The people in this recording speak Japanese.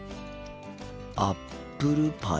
アップルパイ。